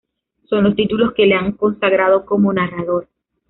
Son los títulos que le han consagrado como narrador.